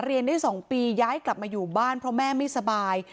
เรียนได้๒ปีย้ายกลับมาอยู่บ้านเพราะแม่ไม่สบาย